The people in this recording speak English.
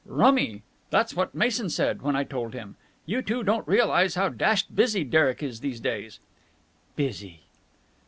"Rummy! That's what Mason said, when I told him. You two don't realize how dashed busy Derek is these days." "Busy!"